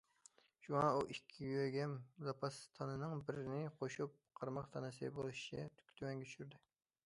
شۇڭا ئۇ، ئىككى يۆگەم زاپاس تانىنىڭ بىرىنى قوشۇپ، قارماق تانىسىنى بولۇشىچە تۆۋەنگە چۈشۈردى.